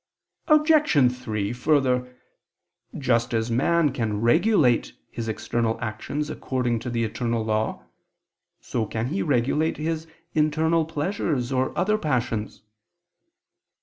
Obj. 3: Further, just as man can regulate his external actions according to the eternal law, so can he regulate his internal pleasures or other passions.